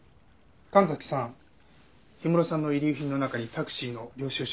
神崎さん氷室さんの遺留品の中にタクシーの領収書あります。